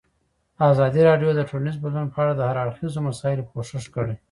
ازادي راډیو د ټولنیز بدلون په اړه د هر اړخیزو مسایلو پوښښ کړی.